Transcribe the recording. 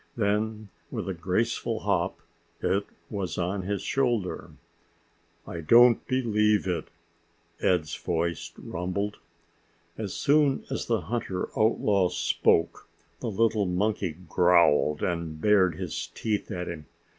Then, with a graceful hop, it was on his shoulder. "I don't believe it," Ed's voice rumbled. As soon as the hunter outlaw spoke, the little monkey growled and bared his teeth at him.